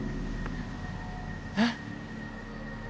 えっ？